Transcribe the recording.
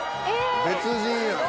別人やん。